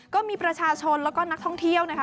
ก็มีประชาชนแล้วก็นักท่องเที่ยวนะคะ